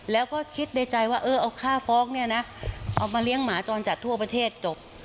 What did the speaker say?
แล้วก็คิดในใจว่าเออเอาค่าฟ้องเนี่ยนะเอามาเลี้ยงหมาจรจัดทั่วประเทศจบ